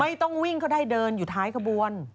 ไม่ต้องวิ่งก็ได้เดินอยู่ท้ายขบวน